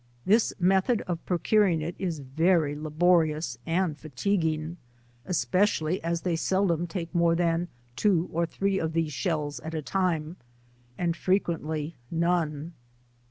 This method of procuring it is very laborious and fatiguing, espe cially as they seldom take more than two or three of these shells at a time, and frequently none.